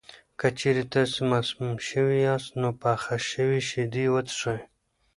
که چېرې تاسو مسموم شوي یاست، نو پخه شوې شیدې وڅښئ.